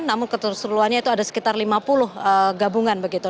namun keterseruannya itu ada sekitar lima puluh gabungan begitu